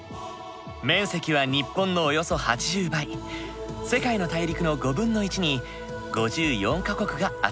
面積は日本のおよそ８０倍世界の大陸の５分の１に５４か国が集まっている。